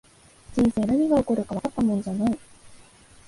人生、何が起こるかわかったもんじゃない